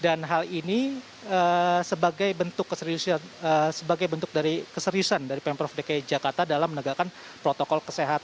dan hal ini sebagai bentuk keseriusan dari pemprov dki jakarta dalam menegakkan protokol kesehatan